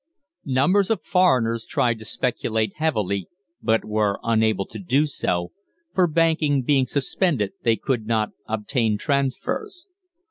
Numbers of foreigners tried to speculate heavily, but were unable to do so, for banking being suspended they could not obtain transfers.